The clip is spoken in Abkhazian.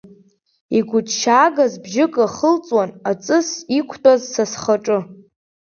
Игәыҭшьаагаз бжьык ахылҵуан, аҵыс, иқәтәаз са схаҿы.